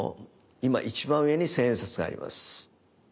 今一番上に千円札があります。